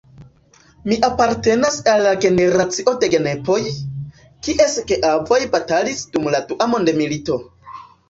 Mi apartenas al la generacio de genepoj, kies geavoj batalis dum la dua mondmilito.